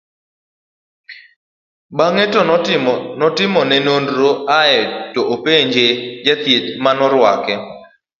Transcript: bang'e to notimone nonro ae to openje jachieth manorwake